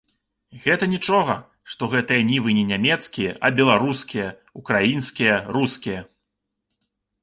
Гэта нічога, што гэтыя нівы не нямецкія, а беларускія, украінскія, рускія.